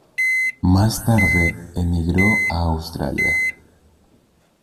Más tarde emigró a Australia.